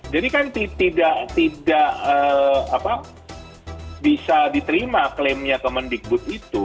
jadi kan tidak bisa diterima klaimnya kemendikbud itu